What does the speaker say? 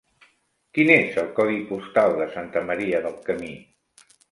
Quin és el codi postal de Santa Maria del Camí?